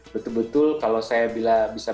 betul betul kalau saya bisa